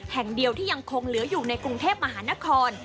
แห่งเดียวที่ยังคงเหลืออยู่ในกรุงเทพมหานคร